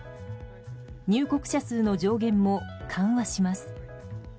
入国者数の上限も緩和します。